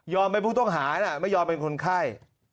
ยอมไปพูดต้องหานะไม่ยอมเป็นคนไข้